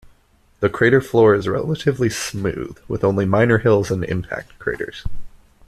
The crater floor is relatively smooth, with only minor hills and impact craters.